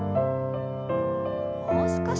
もう少し。